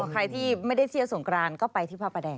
ใครที่ไม่ได้เที่ยวสงกรานก็ไปที่พระประแดง